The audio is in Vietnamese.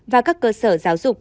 và các cơ sở giáo dục